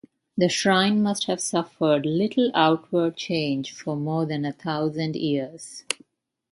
The shrine must have suffered little outward change for more than a thousand years.